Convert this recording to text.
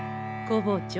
工房長